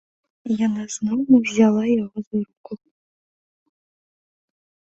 Яна зноў узяла яго за руку.